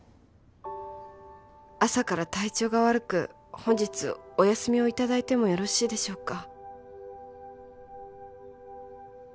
「朝から体調が悪く」「本日お休みをいただいてもよろしいでしょうか？」